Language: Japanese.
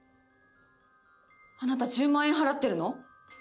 あなた１０万円払ってるの？